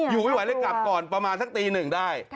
อยู่ไม่ไหวกลับก่อนเขาก็ได้เถียงประมาณตีหนึ่งได้